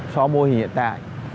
so với mô hình hiện tại